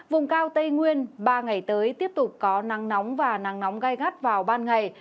vùng cao tây nguyên ba ngày tới tiếp tục có nắng nóng và nắng nóng gai gắt vào ban ngày